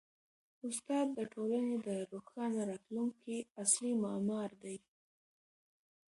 استاد د ټولني د روښانه راتلونکي اصلي معمار دی.